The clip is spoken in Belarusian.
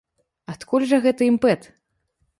Адкуль жа гэты імпэт?